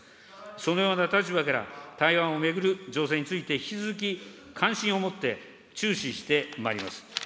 そのような立場から、台湾を巡る情勢について、引き続き関心を持って注視してまいります。